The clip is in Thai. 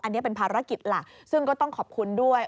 อันนี้เป็นภารกิจหลักซึ่งก็ต้องขอบคุณด้วย